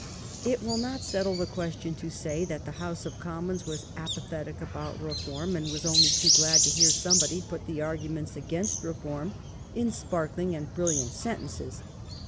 It will not settle the question to say that the House of Commons was apathetic about reform, and was only too glad to hear somebody put the argu ments against reform in sparkling and brilliant sen tences.